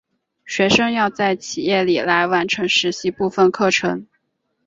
学生要在企业里来完成实习部分课程。